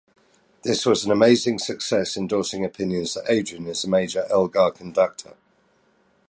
This was an amazing success, endorsing opinions that Adrian is a major Elgar Conductor.